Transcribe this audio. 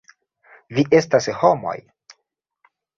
Vi estas homoj!